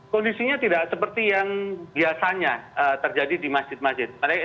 kondisinya tidak seperti yang biasanya terjadi di masjid masjid